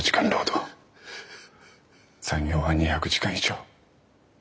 残業は２００時間以上。